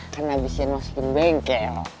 kan abisnya masukin bengkel